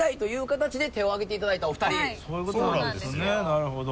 なるほど。